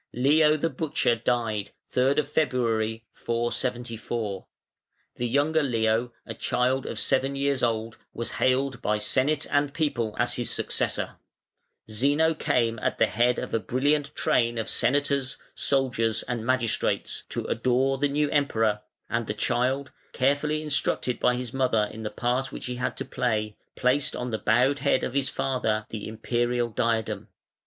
Leo the Butcher died (3d Feb. 474); the younger Leo, a child of seven years old, was hailed by Senate and People as his successor: Zeno came at the head of a brilliant train of senators, soldiers, and magistrates, to "adore" the new Emperor, and the child, carefully instructed by his mother in the part which he had to play, placed on the bowed head of his father the Imperial diadem.